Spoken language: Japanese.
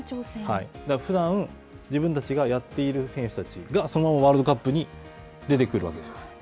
ふだん、自分たちがやっていいる選手たちがそのままワールドカップに出てくるわけですよ。